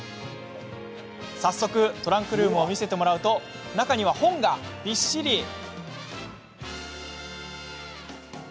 早速トランクルームを見せてもらうと中には本がびっしり。